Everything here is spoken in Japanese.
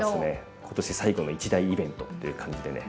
今年最後の一大イベントという感じでね。